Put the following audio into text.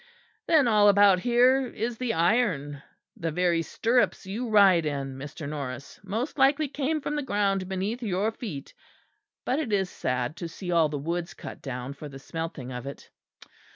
Then all about here is the iron; the very stirrups you ride in, Mr. Norris, most likely came from the ground beneath your feet; but it is sad to see all the woods cut down for the smelting of it.